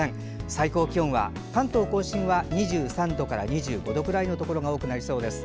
最高気温は関東・甲信は２３度から２５度くらいのところが多くなりそうです。